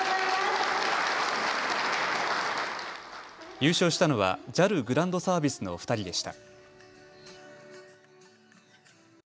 優勝したのはＪＡＬグランドサービスの２人でした。